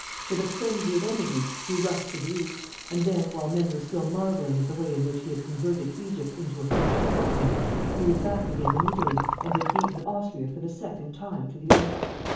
With a frenzy of energy he rushed to the east, and then, while men were still marvelling at the way in which he had converted Egypt into a French department, he was back again in Italy and had beaten Austria for the second time to the earth.